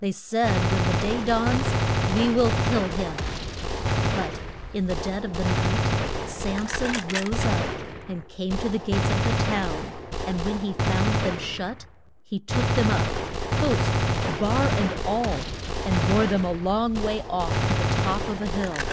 They said when the day dawns we will kill him. But in the dead of the night Sam son rose up and came to the gates of the town, and when he found them shut he took them up posts, bar and all and bore them a long way off to the top of a hill.